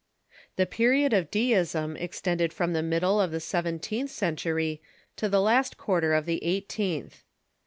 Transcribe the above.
The period of Deism extended from the middle of the seventeenth century to the last quarter of the eighteenth.